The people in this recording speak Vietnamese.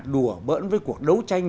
đùa bỡn với cuộc đấu tranh